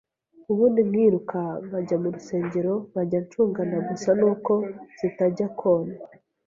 ubundi nkiruka nkajya mu rusengero nkajya ncungana gusa nuko zitajya kona.